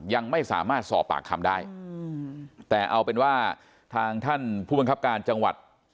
ยังไม่สามารถสอบปากคำได้แต่เอาเป็นว่าทางท่านผู้บังคับการจังหวัด